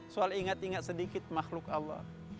soal ingat ingat sedikit makhluk allah